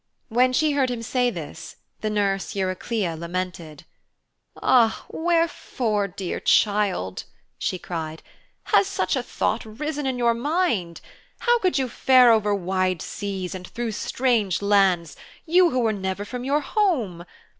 When she heard him say this, the nurse Eurycleia lamented. 'Ah, wherefore, dear child,' she cried, 'has such a thought risen in your mind? How could you fare over wide seas and through strange lands, you who were never from your home?